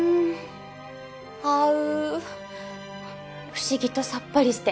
不思議とさっぱりして。